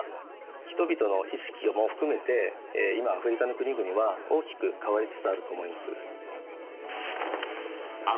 人々の意識も含めて今アフリカの国々は大きく変わりつつあると思います。